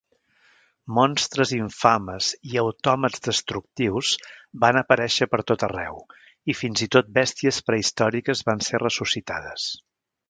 Monstres infames i autòmats destructius van aparèixer per tot arreu, i fins i tot bèsties prehistòriques van ser ressuscitades.